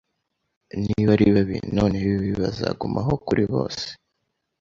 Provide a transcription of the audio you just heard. Niba ari babi, noneho ibibi bazagumaho kuribose